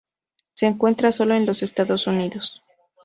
Se encuentra sólo en los Estados Unidos.